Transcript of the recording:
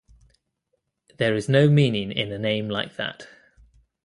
There is no meaning in a name like that.